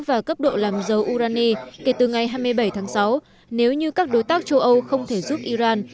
và cấp độ làm dầu urani kể từ ngày hai mươi bảy tháng sáu nếu như các đối tác châu âu không thể giúp iran